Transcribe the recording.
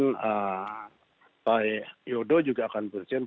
dia bisa menjadi anggota piang pendreng memindah suara yang israell dari brazil